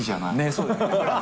そうだよね。